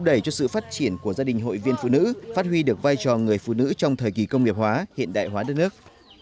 đẩy cho sự phát triển của gia đình hội viên phụ nữ phát huy được vai trò người phụ nữ trong thời kỳ công nghiệp hóa hiện đại hóa đất nước